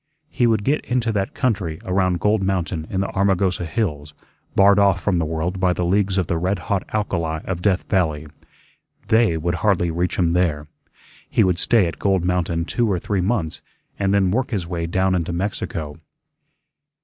He would get into that country around Gold Mountain in the Armagosa hills, barred off from the world by the leagues of the red hot alkali of Death Valley. "They" would hardly reach him there. He would stay at Gold Mountain two or three months, and then work his way down into Mexico.